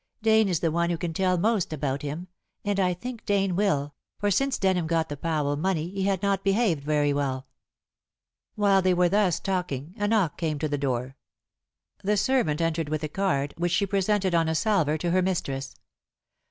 Dane is the one who can tell most about him, and I think Dane will, for since Denham got the Powell money he had not behaved very well." While they were thus talking a knock came to the door. The servant entered with a card, which she presented on a salver to her mistress.